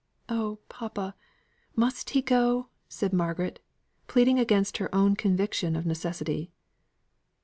"Oh, papa, must he go?" said Margaret, pleading against her own conviction of necessity.